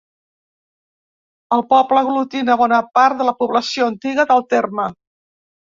El poble aglutina bona part de la població antiga del terme.